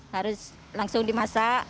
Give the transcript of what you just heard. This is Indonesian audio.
harus langsung dimasak